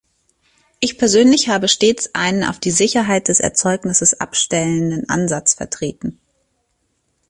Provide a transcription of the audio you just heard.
Ich persönlich habe stets einen auf die Sicherheit des Erzeugnisses abstellenden Ansatz vertreten.